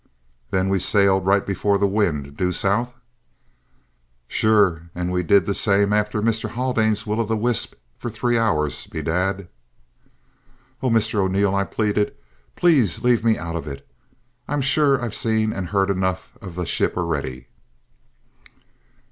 "Then we sailed right before the wind, due south?" "Sure, an' we did that same afther Mister Haldane's will o' the wisp for three hours, bedad!" "Oh, Mr O'Neil," I pleaded, "please leave me out of it. I'm sure I've seen and heard enough of the ship already!"